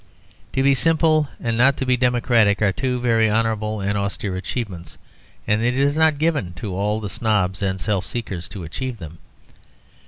To be simple and to be democratic are two very honourable and austere achievements; and it is not given to all the snobs and self seekers to achieve them.